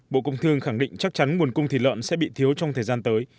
bộ công thương khẳng định chắc chắn nguồn cung thịt lợn sẽ bị thiếu trong thời gian tới